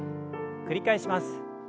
繰り返します。